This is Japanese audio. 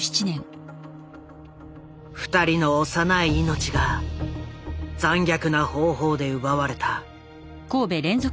２人の幼い命が残虐な方法で奪われた。